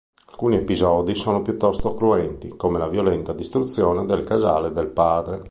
Alcuni episodi sono piuttosto cruenti, come la violenta distruzione del casale del padre.